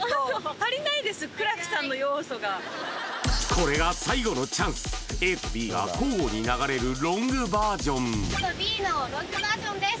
これが最後のチャンスＡとＢが交互に流れるロングバージョンＡとＢのロングバージョンです